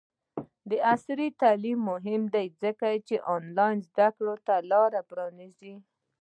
عصري تعلیم مهم دی ځکه چې آنلاین زدکړې ته لاره پرانیزي.